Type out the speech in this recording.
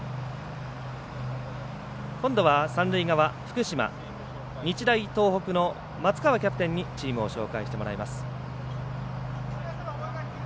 今度は三塁側福島、日大東北の松川キャプテンにチームを紹介してもらいます。